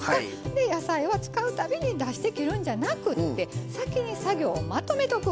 で野菜は使う度に出して切るんじゃなくって先に作業をまとめとく。